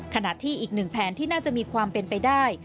ขณะที่อีกหนึ่งแผนที่น่าจะมีความเป็นไปได้